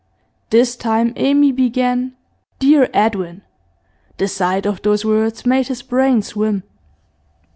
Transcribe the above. This time Amy began 'Dear Edwin'; the sight of those words made his brain swim.